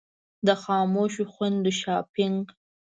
د خاموشو خویندو شاپنګ.